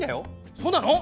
そうなの。